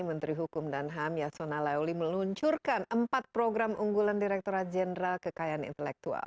menteri hukum dan ham yasona lauli meluncurkan empat program unggulan direkturat jenderal kekayaan intelektual